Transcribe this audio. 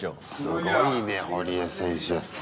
すごいね堀江選手。